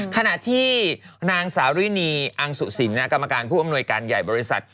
ขณะที่นางสาวรินีอังสุสินกรรมการผู้อำนวยการใหญ่บริษัท